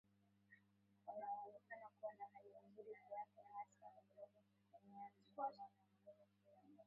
wanaoonekana kuwa na hali nzuri kiafya hasa walioanza kukomaa na ndama wanaoanza kula nyasi